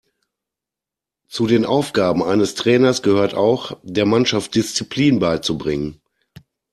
Zu den Aufgaben eines Trainers gehört auch, der Mannschaft Disziplin beizubringen.